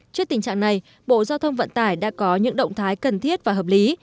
trước tình trạng này bộ giao thông vận tải đã có những động thái cần thiết và hợp lý